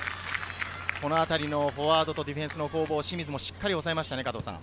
フォワードとディフェンスの攻防、清水がしっかり抑えましたね。